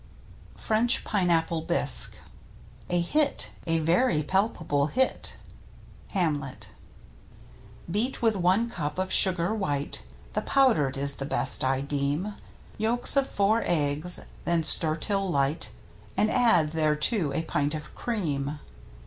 s if FRENCH PINEAPPLE BISQUE A hit, a very palpable hit! — Hamlet. Beat with one cup of sugar white (The powdered is the best, I deem), Yolks of four eggs, then stir till light, And add thereto a pint of cream.